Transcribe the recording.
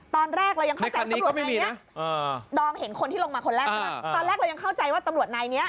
ตอนแรกเรายังเข้าใจว่าตำรวจนายนี้